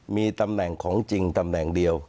มีตำแหน่งของจริงตำแหน่งเดียว